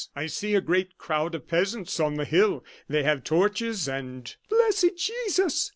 "I see a great crowd of peasants on the hill; they have torches and " "Blessed Jesus!"